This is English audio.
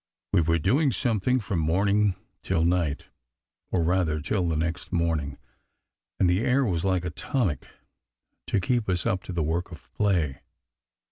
We were doing something from morning till night or rather till the next morning; and the air was like a tonic to keep us up to the work of play.